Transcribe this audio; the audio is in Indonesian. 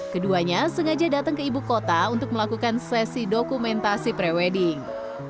keduanya sengaja datang ke ibu kota untuk melakukan sesi dokumentasi pre wedding